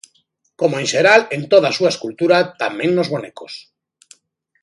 Como, en xeral, en toda a súa escultura, tamén nos bonecos.